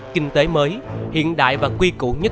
kinh tế mới hiện đại và quy cụ nhất